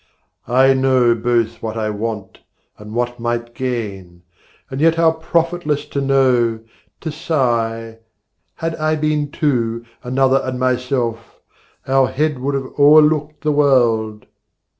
I know both what I want and what might gain, And yet how profitless to know, to sigh 'Had I been two, another and myself, 'Our head would have o'erlooked the world!